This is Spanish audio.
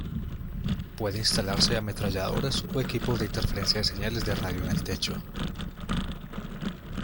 Puede instalarse ametralladoras o equipos de interferencia de señales de radio en el techo.